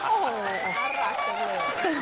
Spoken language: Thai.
โอ้โฮเก่งเลย